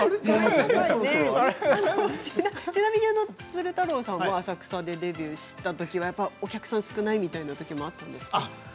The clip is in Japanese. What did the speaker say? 鶴太郎さんが浅草でデビューしたときはお客さんが少ないみたいなときもあったんですか。